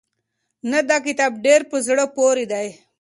نه دا کتاب ډېر په زړه پورې دی.